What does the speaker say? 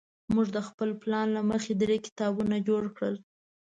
موږ د خپل پلان له مخې درې کتارونه جوړ کړل.